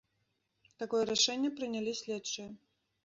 Такое рашэнне прынялі следчыя.